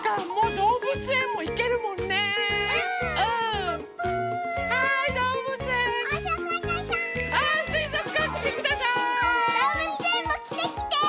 どうぶつえんもきてきて。